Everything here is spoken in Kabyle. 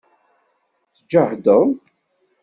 Tǧehdeḍ?